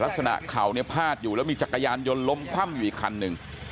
เข่าเนี่ยพาดอยู่แล้วมีจักรยานยนต์ล้มคว่ำอยู่อีกคันหนึ่ง